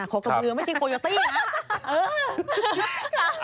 โคกะบือไม่ใช่โคโยตี้นะ